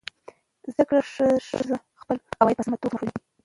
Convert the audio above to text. زده کړه ښځه خپل عواید په سمه توګه مصرفوي.